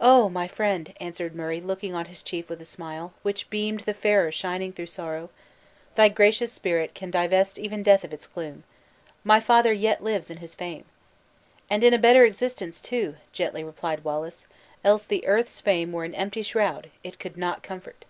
"Oh! my friend," answered Murray, looking on his chief with a smile, which beamed the fairer shining through sorrow, "thy gracious spirit can divest even death of its gloom. My father yet lives in his fame!" "And in a better existence, too!" gently replied Wallace; "else the earth's fame were an empty shroud it could not comfort."